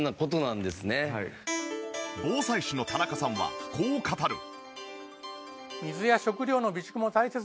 防災士の田中さんはこう語る。